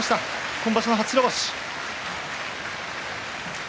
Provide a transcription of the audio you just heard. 今場所の初白星です。